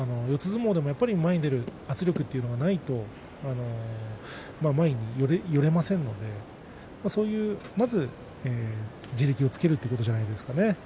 相撲でも前に出る圧力というのがないと前に寄ることができませんのでまず地力をつけるということじゃないですかね。